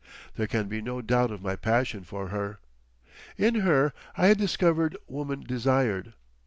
There can be no doubt of my passion for her. In her I had discovered woman desired.